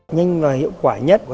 nhanh là hiệu quả nhất